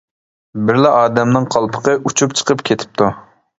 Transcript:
بىرلا ئادەمنىڭ قالپىقى ئۇچۇپ چىقىپ كېتىپتۇ.